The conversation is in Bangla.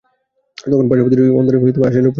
তখন পার্শ্ববর্তীদের অন্তরে আশার আলো প্রজ্জ্বলিত হয়।